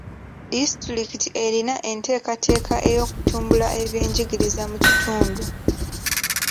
Disitulikiti erina enteekateeka ey'okutumbula ebyenjigiriza mu kitundu.